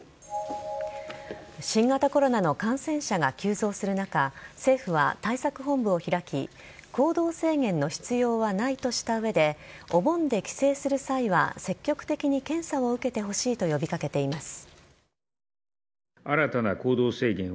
新型コロナの感染者が急増する中政府は対策本部を開き行動制限の必要はないとした上でお盆で帰省する際は、積極的に検査を受けてほしいと呼び掛けています。